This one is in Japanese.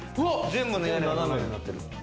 全部の屋根が斜めになってる。